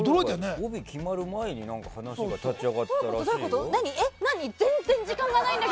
帯が決まる前に話が立ち上がったらしいよ。